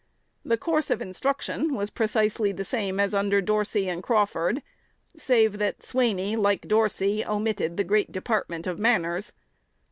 The course of instruction was precisely the same as under Dorsey and Crawford, save that Swaney, like Dorsey, omitted the great department of "manners."